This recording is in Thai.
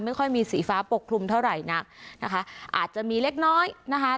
ไม่ค่อยมีสีฟ้าปกคลุมเท่าไหร่นักนะคะอาจจะมีเล็กน้อยนะคะ